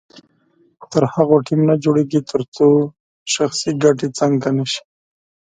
تر هغو ټیم نه جوړیږي تر څو شخصي ګټې څنګ ته نه شي.